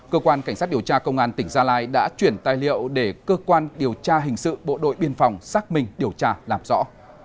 cơ quan cảnh sát điều tra công an tỉnh gia lai đã chuyển tài liệu để cơ quan điều tra hình sự bộ đội biên phòng xác minh điều tra làm rõ